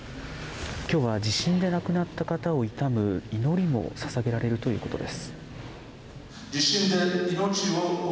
きょうは地震で亡くなった方を悼む祈りもささげられるということです。